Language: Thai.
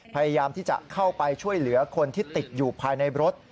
พยายามที่จะเข้าไปช่วยเหลือคนที่ติดอยู่ภายในรถ